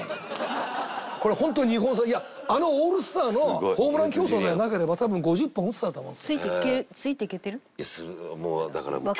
これホントあのオールスターのホームラン競争さえなければ多分５０本打ってたと思うんですよ。